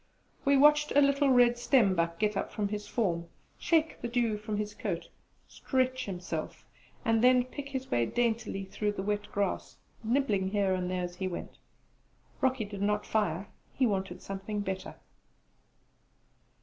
We watched a little red stembuck get up from his form, shake the dew from his coat, stretch himself, and then pick his way daintily through the wet grass, nibbling here and there as he went. Rocky did not fire; he wanted something better.